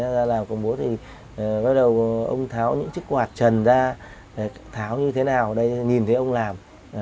ra làm cùng bố thì bắt đầu ông tháo những chiếc quạt trần ra tháo như thế nào đây nhìn thấy ông làm